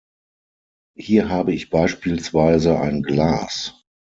Hier habe ich beispielsweise ein Glas.